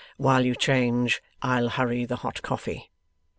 While you change, I'll hurry the hot coffee."